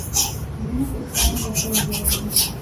زموږ دوستان به تل یو وي.